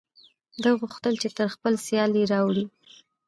ده غوښتل چې تر خپل سیال یې واړوي.